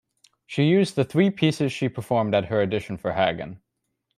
She used the three pieces she performed at her audition for Hagen.